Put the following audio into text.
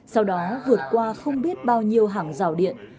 sau đó vượt qua không biết bao nhiêu hàng rào điện